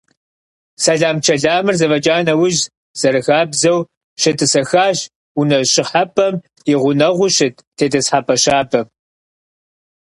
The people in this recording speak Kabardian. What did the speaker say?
Сэлам-чэламыр зэфӀэкӀа нэужь, зэрахабзэу, щетӀысэхащ унэ щӀыхьэпӀэм и гъунэгъуу щыт тетӀысхьэпӏэ щабэм.